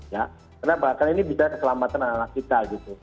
karena bahkan ini bisa keselamatan anak anak kita